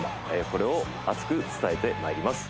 これを熱く伝えてまいります